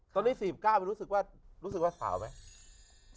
ตอนนี้สี่สิบก้าวมันรู้สึกว่ารู้สึกว่าสาวไหม